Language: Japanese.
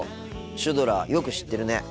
シュドラよく知ってるね。